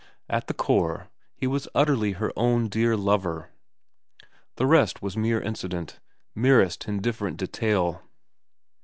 At the core he was utterly her own dear lover. The rest was mere incident, merest indifferent detail.